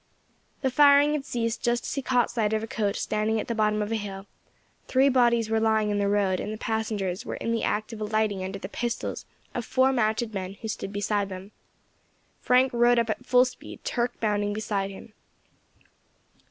The firing had ceased just as he caught sight of a coach standing at the bottom of a hill; three bodies were lying in the road, and the passengers were in the act of alighting under the pistols of four mounted men who stood beside them. Frank rode up at full speed, Turk bounding beside him.